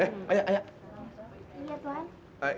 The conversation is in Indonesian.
eh ayah ayah